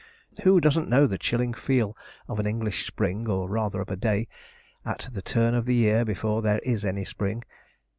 Who doesn't know the chilling feel of an English spring, or rather of a day at the turn of the year before there is any spring?